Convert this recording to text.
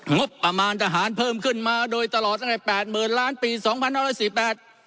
งบประมาณทหารเพิ่มขึ้นมาโดยตลอดตั้งแต่แปดหมื่นล้านปีสองพันห้าร้อยสี่แปด